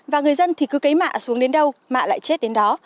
và người dân thì cứ cấy mạ xuống đến đâu mạ lại chết đến đó